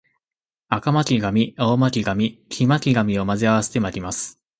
赤巻紙、青巻紙、黄巻紙を混ぜ合わせて巻きます